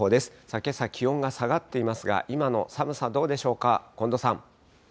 けさ、気温が下がっていますが、今の寒さ、どうでしょうか。